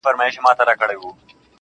د ستني سر چــي د ملا له دره ولـويـــږي~